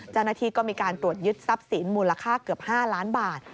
เจ้าหน้าที่ก็มีการตรวจยึดทรัพย์สินมูลค่าเกือบ๕ล้านบาท